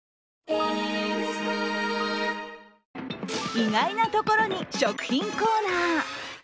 意外なところに食品コーナー。